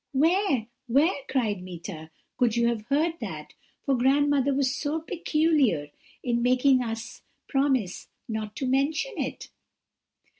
"'Where where,' cried Meeta, 'could you have heard that? for grandmother was so very particular in making us promise not to mention it.'